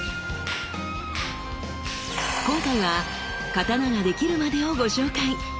今回は刀ができるまでをご紹介。